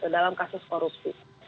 dalam kasus korupsi